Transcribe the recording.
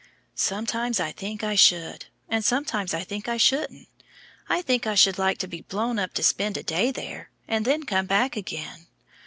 "Sometimes I think I should, and sometimes I think I shouldn't. I think I should like to be blown up to spend a day there, and then come back again.